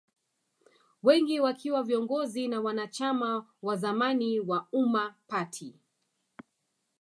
Wengi wakiwa viongozi na wanachama wa zamani wa Umma Party